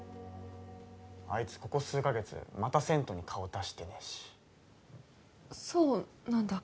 あいつここ数カ月また銭湯に顔出してねえしそうなんだ